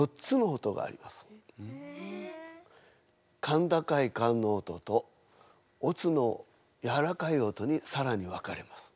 甲高い甲の音と乙のやわらかい音にさらに分かれます。